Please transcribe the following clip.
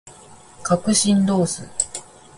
角振動数